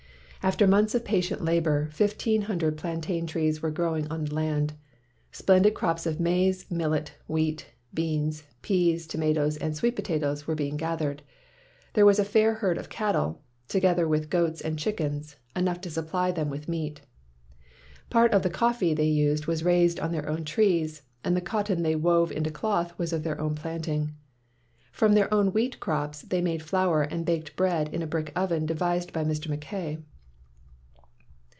After months of patient labor, fifteen hundred plantain trees were growing on the land. Splendid crops of maize, millet, wheat, beans, peas, tomatoes, and sweet po tatoes were being gathered. There was a fair herd of cattle, together with goats and chickens — enough to supply them with meat. Part of the coffee they used was raised on their own trees, and the cotton they wove into cloth was of their own plant ing. From their own wheat crops they made flour and baked bread in a brick oven devised by Mr. Mackay.